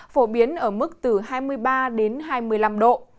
phổ biến ở mức từ hai mươi ba đến hai mươi năm độ